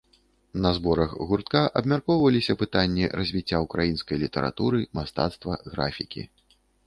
На зборах гуртка абмяркоўваліся пытанні развіцця ўкраінскай літаратуры, мастацтва, графікі.